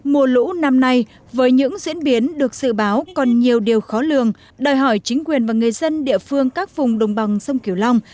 mùa lũ năm nay với những diễn biến được dự báo còn nhiều điều khó lường đòi hỏi chính quyền và người dân địa phương các vùng đồng bằng sông kiều long